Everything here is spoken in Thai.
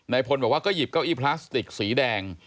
พลบอกว่าก็หยิบเก้าอี้พลาสติกสีแดง